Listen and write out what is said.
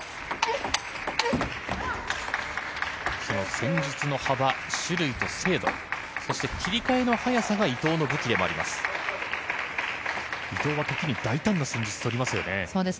戦術の幅、種類と精度、そして切り替えの速さが伊藤の武器でもあります。